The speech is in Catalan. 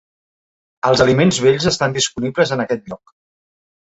Els aliments vells estan disponibles en aquest lloc.